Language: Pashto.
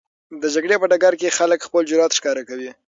د جګړې په ډګر کې خلک خپل جرئت ښکاره کوي.